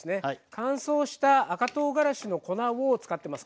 乾燥した赤とうがらしの粉を使ってます。